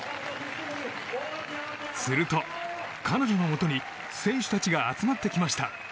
すると彼女のもとに選手たちが集まってきました。